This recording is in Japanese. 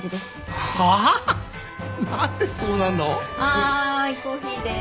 はいコーヒーです。